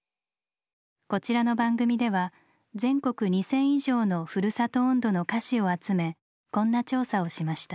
こちらの番組では全国２，０００以上の「ふるさと音頭」の歌詞を集めこんな調査をしました。